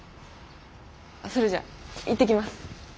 それじゃ行ってきます。